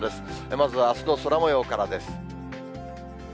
まずはあすの空もようからです。